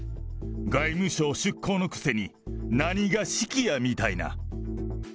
外務省出向のくせに何が指揮やみたいな。